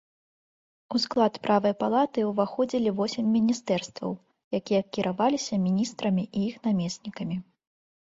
У склад правай палаты ўваходзілі восем міністэрстваў, якія кіраваліся міністрамі і іх намеснікамі.